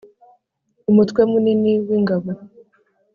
Umutwe munini w ingabo